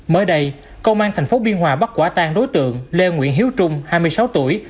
mới đây công an thành phố biên hòa bắt quả tan đối tượng lê nguyễn hiếu trung hai mươi sáu tuổi